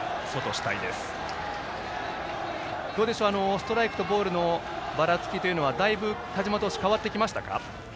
ストライクとボールのばらつきというのはだいぶ田嶋投手変わってきましたか？